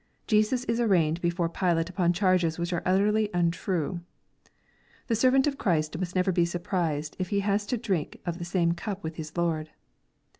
Jesus is arraigned before Pilate upon charges which are utterly untrue. The servant of Christ must never be surprised if he na» to drink of the same cup with his Lord.